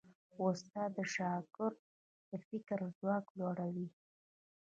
استاد د شاګرد د فکر ځواک لوړوي.